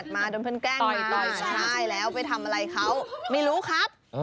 มาโดนเพื่อนแกล้งบ่อยใช่แล้วไปทำอะไรเขาไม่รู้ครับ